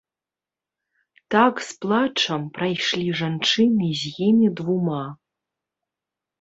Так з плачам прайшлі жанчыны з імі двума.